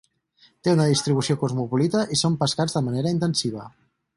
Té una distribució cosmopolita i són pescats de manera intensiva.